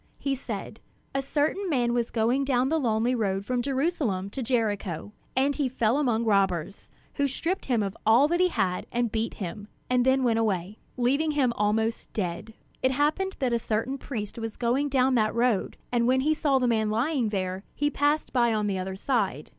He said: "A certain man was going down the lonely road from Jerusalem to Jericho; and he fell among robbers, who stripped him of all that he had and beat him; and then went away, leaving him almost dead. It happened that a certain priest was going down that road; and when he saw the man lying there, he passed by on the other side.